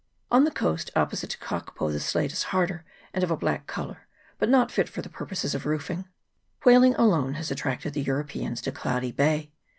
On the coast opposite to Kakapo the slate is harder, and of a black colour, but not fit for the purposes of roofing. Whaling alone has attracted the Europeans to Cloudy Bay.